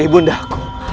sebagai pembawa ke dunia